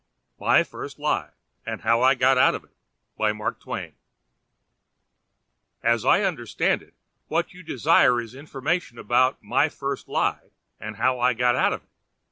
MY FIRST LIE, AND HOW I GOT OUT OF IT As I understand it, what you desire is information about 'my first lie, and how I got out of it.'